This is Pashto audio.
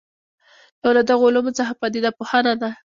یو له دغو علومو څخه پدیده پوهنه ده.